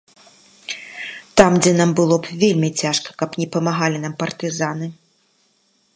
Там, дзе нам было б вельмі цяжка, каб не памаглі нам партызаны.